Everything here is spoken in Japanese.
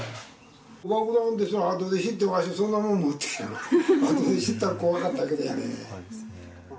爆弾ってあとで知って、そんなもの持ってたのあとで知ったら怖かったけどね。